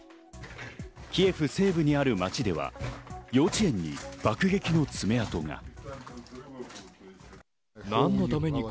キエフ西部にある街では、幼稚園に爆撃の爪痕が。